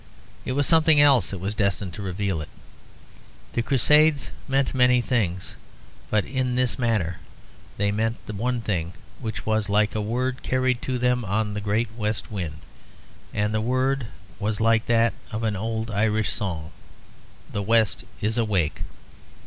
It was something else that was destined to reveal it. The Crusades meant many things; but in this matter they meant one thing, which was like a word carried to them on the great west wind. And the word was like that in an old Irish song: "The west is awake."